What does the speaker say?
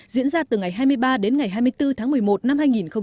diễn ra từ ngày hai mươi ba đến ngày hai mươi bốn tháng một mươi một năm hai nghìn hai mươi